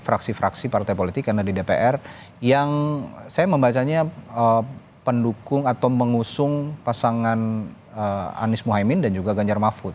fraksi fraksi partai politik karena di dpr yang saya membacanya pendukung atau mengusung pasangan anies mohaimin dan juga ganjar mahfud